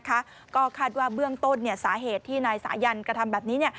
ก็คาดว่าเบื้องต้นสาเหตุที่นายสายันกระทำแบบนี้